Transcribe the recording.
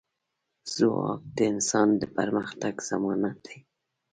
ځواک د انسان د پرمختګ ضمانت دی.